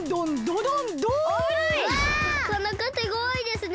なかなかてごわいですね。